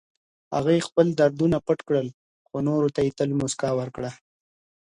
هغې خپل دردونه پټ کړل، خو نورو ته يې تل مسکا ورکړه.